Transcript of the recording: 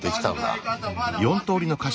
うん。